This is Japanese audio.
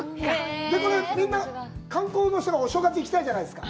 これみんな観光の人が、お正月に行きたいじゃないですか。